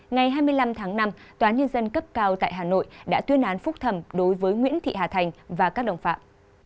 ngày hai mươi năm tháng năm tòa nhân dân cấp cao tại hà nội đã tuyên án phúc thẩm đối với nguyễn thị hà thành và các đồng phạm